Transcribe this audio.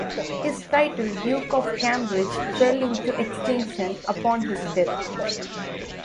His title, 'Duke of Cambridge', fell into extinction upon his death.